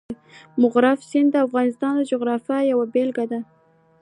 مورغاب سیند د افغانستان د جغرافیې یوه بېلګه ده.